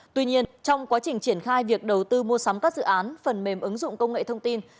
tuy nhiên trong quá trình triển khai việc đầu tư mua sắm các dự án phần mềm ứng dụng công nghệ thông tin